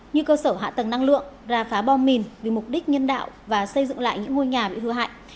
như cơ sở hạ tầng năng lượng ra phá bom mìn vì mục đích nhân đạo và xây dựng lại những ngôi nhà bị hư hại